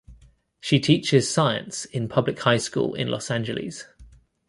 She teaches science in public high school in Los Angeles.